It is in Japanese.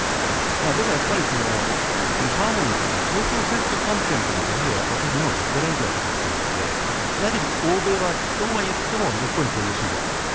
でもハーモニーというか協調性という観点で言うと私にはトップレベルだと思うので欧米はそうはいっても根っこに個人主義がある。